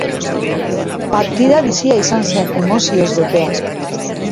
Partida bizia izan zen, emozioz betea.